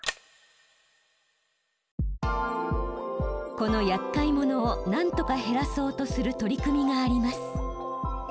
このやっかい者を何とか減らそうとする取り組みがあります。